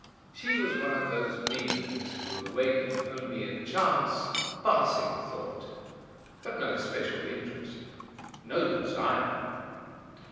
She was one of those beings who awaken only a chance, passing thought, but no special interest, no desire.